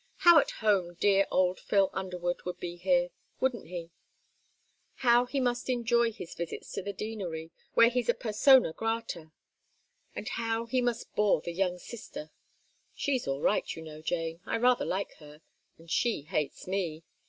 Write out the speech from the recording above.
How at home dear old Phil Underwood would be here, wouldn't he. How he must enjoy his visits to the Deanery, where he's a persona grata. And how he must bore the young sister. She's all right, you know, Jane. I rather like her. And she hates me.